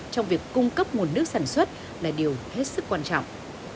trong việc cung cấp nguồn nước sản xuất là điều hết sức quan trọng